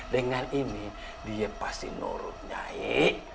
dengan ini dia pasti nurut naik